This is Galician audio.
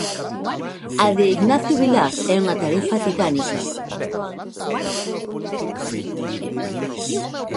A de Ignacio Vilar é unha tarefa titánica.